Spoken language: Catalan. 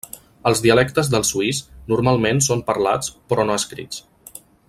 Els dialectes del suís normalment són parlats però no escrits.